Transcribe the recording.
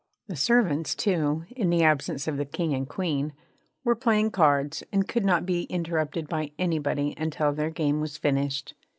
The servants, too in the absence of the King and Queen were playing cards, and could not be interrupted by anybody until their game was finished.